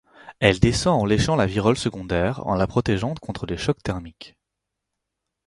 Elle descend en léchant la virole secondaire en la protégeant contre les chocs thermiques.